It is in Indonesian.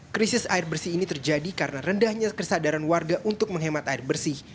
krisis air bersih ini terjadi karena rendahnya kesadaran warga untuk menghemat air bersih